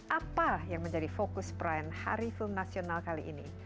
apa yang menjadi fokus perayaan hari film nasional kali ini